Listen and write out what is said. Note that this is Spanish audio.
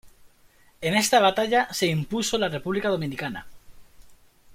En esta batalla se impuso la República Dominicana.